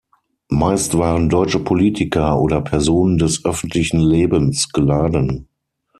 Meist waren deutsche Politiker oder Personen des öffentlichen Lebens geladen.